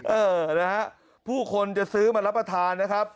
เออนะฮะผู้คนจะซื้อมารับประทานนะครับ